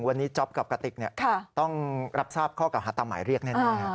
วันนี้จ๊อปกับกะติกต้องรับทราบข้อเก่าหาตามหมายเรียกแน่